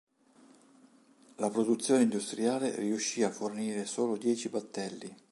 La produzione industriale riuscì a fornire solo dieci battelli.